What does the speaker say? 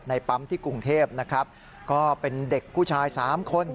ปั๊มที่กรุงเทพนะครับก็เป็นเด็กผู้ชาย๓คน